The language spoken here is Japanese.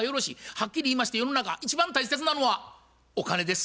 はっきり言いまして世の中一番大切なのはお金です。